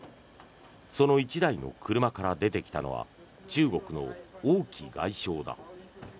その１台の車から出てきたのは中国の王毅外相だ。